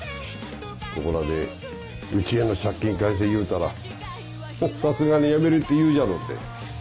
ここらでうちへの借金返せ言うたらさすがにやめるって言うじゃろうて。